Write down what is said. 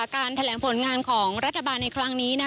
การแถลงผลงานของรัฐบาลในครั้งนี้